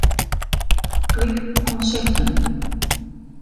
Klik Konsepten.